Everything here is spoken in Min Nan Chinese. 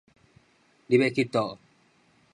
你欲去佗